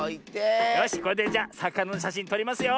よしこれでじゃさかなのしゃしんとりますよ。